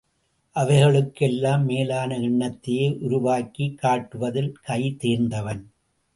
அவைகளுக்கு எல்லாம் மேலான எண்ணத்தையே உருவாக்கிக் காட்டுவதில் கைதேர்ந்தவன்.